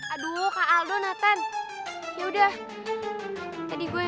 ada yang jualan baju